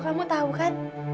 kamu tahu kan